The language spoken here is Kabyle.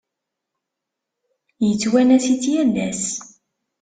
Yettwanas-itt yal ass.